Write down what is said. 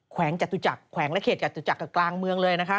แขวงจัตุจักรแขวงและเขตจัตุจักรกลางเมืองเลย